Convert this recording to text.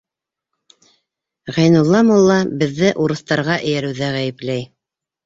Ғәйнулла мулла беҙҙе урыҫтарға эйәреүҙә ғәйепләй.